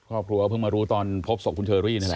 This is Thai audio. ครอบครัวเพิ่งมารู้ตอนพบศพคุณเชอรี่นี่แหละ